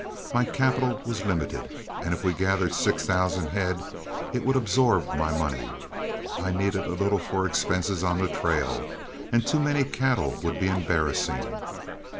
My capital was limited, and if we gathered six thousand head it would absorb my money. I needed a little for expenses on the trail, and too many cattle would be embarrassing.